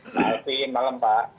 selamat malam pak